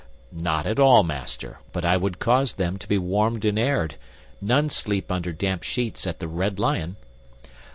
"Not at all, master. But I would cause them to be warmed and aired. None sleep under damp sheets at the Red Lion."